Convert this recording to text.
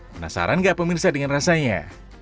penasaran nggak pemirsa dengan rasanya